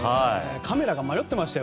カメラが迷ってましたよ。